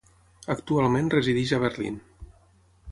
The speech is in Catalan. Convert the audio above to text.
Actualment resideix a Berlín.